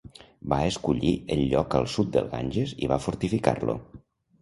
Va escollir el lloc al sud del Ganges i va fortificar-lo.